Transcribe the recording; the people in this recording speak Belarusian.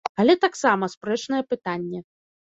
Але таксама спрэчнае пытанне.